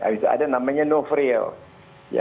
habis itu ada namanya no frill